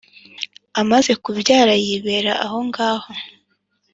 Amaze kubyara yibera ahongaho,